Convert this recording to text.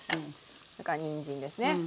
それからにんじんですね。